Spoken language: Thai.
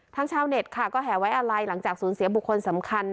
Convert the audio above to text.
ชาวเน็ตค่ะก็แห่ไว้อะไรหลังจากสูญเสียบุคคลสำคัญ